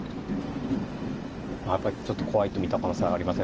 まあやっぱりちょっと怖いと見た可能性はありますね